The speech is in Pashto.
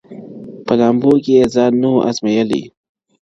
په لامبو کي یې ځان نه وو آزمېیلی-